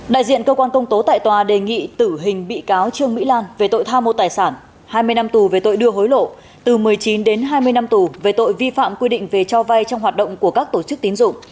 đại diện cơ quan công tố tại tòa đề nghị tử hình bị cáo trương mỹ lan về tội tham mô tài sản hai mươi năm tù về tội đưa hối lộ từ một mươi chín đến hai mươi năm tù về tội vi phạm quy định về cho vay trong hoạt động của các tổ chức tín dụng